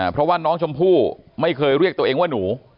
เพราะว่าน้องชมพู่ไม่เคยเรียกตัวเองว่าหนู